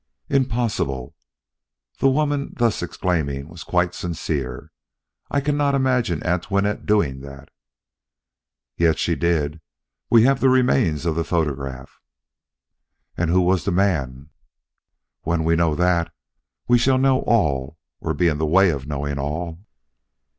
"Impossible!" The woman thus exclaiming was quite sincere. "I cannot imagine Antoinette doing that." "Yet she did. We have the remains of the photograph." "And who was the man?" "When we know that, we shall know all, or be in the way of knowing all."